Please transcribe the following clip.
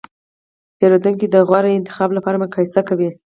پیرودونکي د غوره انتخاب لپاره مقایسه کوي.